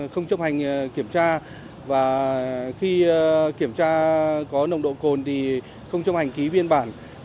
không chấp hành kiểm tra và khi kiểm tra có nồng độ cồn thì không chấp hành ký biên bản